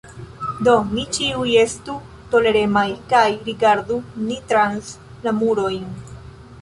Do ni ĉiuj estu toleremaj kaj rigardu ni trans la murojn!